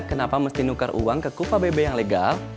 kenapa mesti nukar uang ke kupa bb yang legal